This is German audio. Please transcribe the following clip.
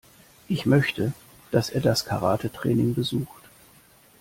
Ich möchte, dass er das Karatetraining besucht.